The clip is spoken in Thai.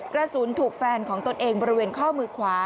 กระสุนถูกแฟนของตนเองบริเวณข้อมือขวา